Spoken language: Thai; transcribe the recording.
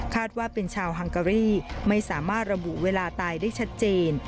ว่าเป็นชาวฮังการี่ไม่สามารถระบุเวลาตายได้ชัดเจน